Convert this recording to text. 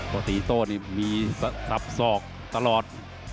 พอตีโต้นี่มีสับสอกตลอด